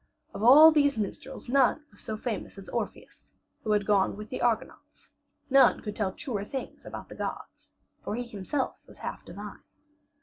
Of all these minstrels none was so famous as Orpheus who had gone with the Argonauts; none could tell truer things about the gods, for he himself was half divine.